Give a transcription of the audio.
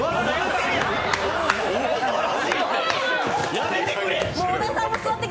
やめてくれ！